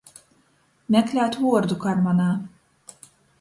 Meklēt vuordu kārmanā.